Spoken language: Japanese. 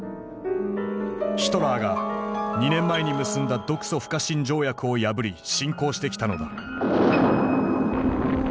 ヒトラーが２年前に結んだ独ソ不可侵条約を破り侵攻してきたのだ。